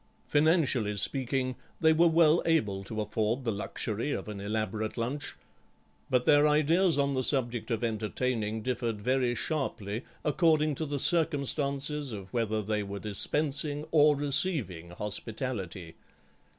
Financially speaking, they were well able to afford the luxury of an elaborate lunch, but their ideas on the subject of entertaining differed very sharply, according to the circumstances of whether they were dispensing or receiving hospitality.